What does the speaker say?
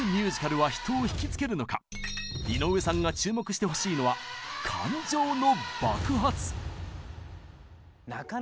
井上さんが注目してほしいのは日常で。